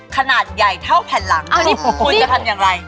ขนาดใหญ่เท่าแผ่นหลังคุณจะทำอย่างไร